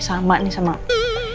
sama nih sama aku